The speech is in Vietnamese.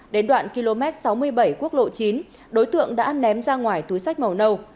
đến đoạn km sáu mươi bảy quốc lộ chín đối tượng đã ném ra ngoài túi sách màu nâu